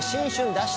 脱出